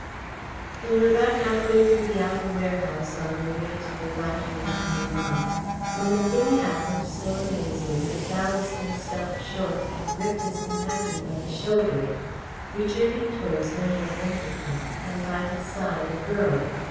They were about halfway through the outer warehouse on their way to the lighter room beyond, when a thing happened so amazing that Ballaston stopped short and gripped his companion by the shoulder. Returning towards them was Endacott, and by his side a girl.